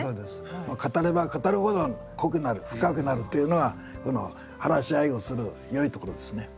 語れば語るほど濃くなる深くなるというのはこの話し合いをするよいところですね。